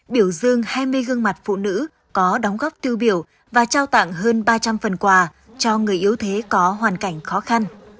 biểu dương hai mươi gương mặt phụ nữ có đóng góp tiêu biểu và trao tặng hơn ba trăm linh phần quà cho người yếu thế có hoàn cảnh khó khăn